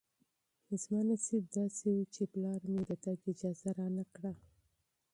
زما نصیب داسې و چې پلار مې د تګ اجازه رانه کړه.